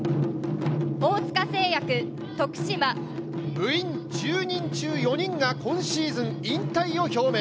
部員１０人中４人が今シーズン引退を表明。